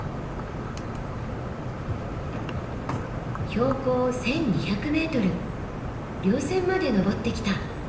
標高１，２００ｍ稜線まで登ってきた。